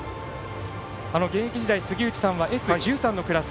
現役時代杉内さんはＳ１３のクラス。